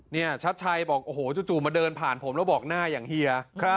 ชัดชัยบอกโอ้โหจู่มาเดินผ่านผมแล้วบอกหน้าอย่างเฮีย